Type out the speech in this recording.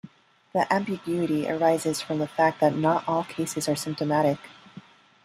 The ambiguity arises from the fact that not all cases are symptomatic.